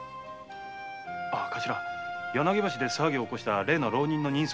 カシラ柳橋で騒ぎを起こした例の浪人の人相